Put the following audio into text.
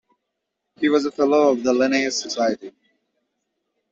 He was a fellow of the Linnaeus Society.